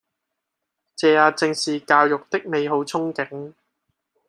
這也正是教育的美好憧憬